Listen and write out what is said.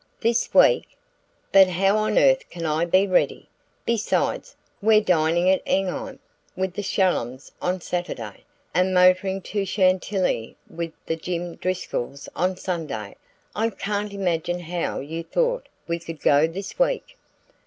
"This week? But how on earth can I be ready? Besides, we're dining at Enghien with the Shallums on Saturday, and motoring to Chantilly with the Jim Driscolls on Sunday. I can't imagine how you thought we could go this week!"